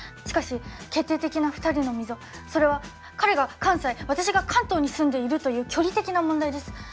しかし決定的な２人の溝それは彼が関西私が関東に住んでいるという距離的な問題です。